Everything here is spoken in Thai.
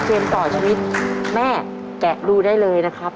เกมต่อชีวิตแม่แกะดูได้เลยนะครับ